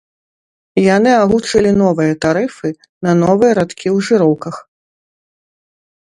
Яны агучылі новыя тарыфы на новыя радкі ў жыроўках.